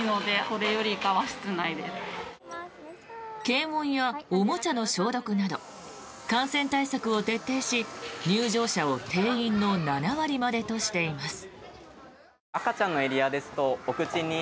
検温やおもちゃの消毒など感染対策を徹底し入場者を定員の７割までとしています。